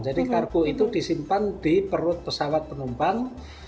jadi kargo itu disimpan di perut pesawat penumpang